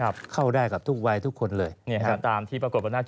เข้าได้กับทุกวัยทุกคนเลยเนี่ยฮะตามที่ปรากฏบนหน้าจ